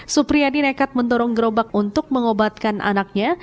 supriyadi nekat mendorong gerobak untuk mengobatkan anaknya